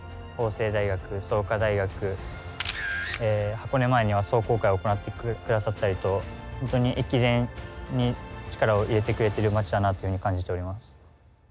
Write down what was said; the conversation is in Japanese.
箱根前には壮行会を行ってくださったりと本当に駅伝に力を入れてくれている街だなというふうに感じております。